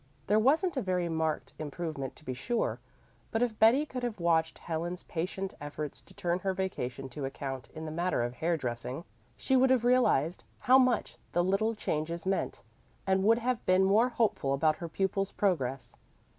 There wasn't a very marked improvement to be sure, but if Betty could have watched Helen's patient efforts to turn her vacation to account in the matter of hair dressing, she would have realized how much the little changes meant, and would have been more hopeful about her pupil's progress.